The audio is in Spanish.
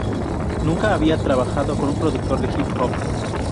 Nunca había trabajado con un productor de hip-hop.